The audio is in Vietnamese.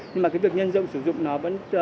nhưng mà cái việc nhân rộng sử dụng nó vẫn